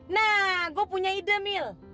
nah gue punya ide mil